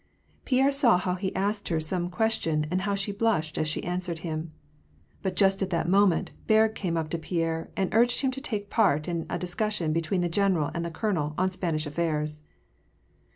Pierre saw how he asked her some question, and how she blushed as she answered him. But just at that moment. Berg came up to Pierre, and urged him to take part in a discussion between the general and the colonel, on Spanish affairs.